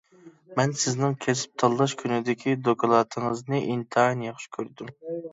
مەن سىزنىڭ كەسىپ تاللاش كۈنىدىكى دوكلاتىڭىزنى ئىنتايىن ياخشى كۆردۈم.